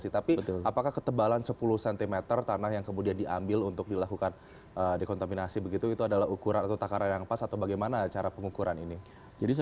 tapi apakah ketebalan sepuluh cm tanah yang kemudian diambil untuk dilakukan dekontaminasi begitu itu adalah ukuran atau takaran yang pas atau bagaimana cara pengukuran ini